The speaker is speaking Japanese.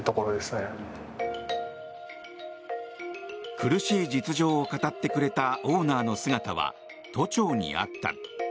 苦しい実情を語ってくれたオーナーの姿は都庁にあった。